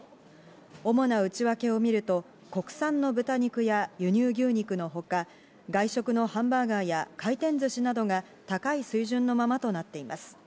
主な内訳をみると国産の豚肉や輸入牛肉のほか、外食のハンバーガーや、回転ずしなどが高い水準のままとなっています。